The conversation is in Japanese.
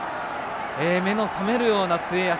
目の覚めるような末脚。